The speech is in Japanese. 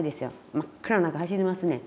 真っ暗な中走りますねん。